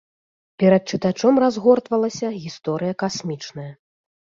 Перад чытачом разгортвалася гісторыя касмічная.